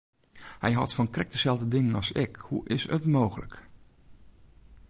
Hy hâldt fan krekt deselde dingen as ik, hoe is it mooglik!